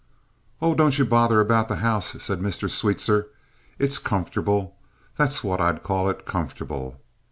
"Oh, don't you bother about the house," said Mr. Sweetser. "It's comfortable. That's what I'd call it comfortable.